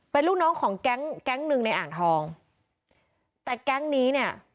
เป็นลูกน้องของแก๊งแก๊งหนึ่งในอ่างทองแต่แก๊งนี้เนี่ย